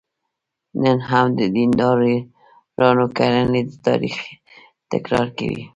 نن هم د دیندارانو کړنې د تاریخ تکرار کوي.